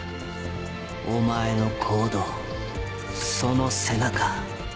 お前の行動その背中。